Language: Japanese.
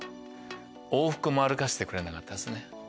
往復も歩かせてくれなかったですね。